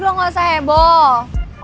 lo gak usah heboh